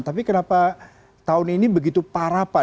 tapi kenapa tahun ini begitu parah pak